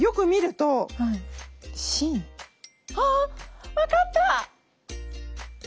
芯？あっ分かった！